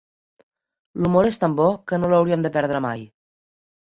L'humor és tant bo que no l'hauríem de perdre mai.